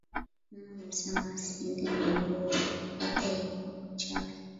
Mama asema asiende ju nguwo yake iko buchafu